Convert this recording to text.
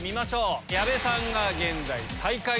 ⁉矢部さんが現在最下位。